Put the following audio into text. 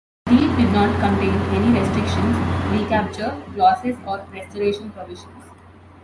The deed did not contain any restrictions, recapture clauses or restoration provisions.